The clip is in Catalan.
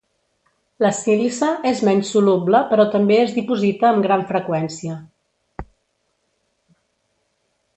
La sílice és menys soluble però també es diposita amb gran freqüència.